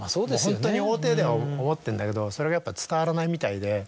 ホントに表では思ってんだけどそれがやっぱ伝わらないみたいで。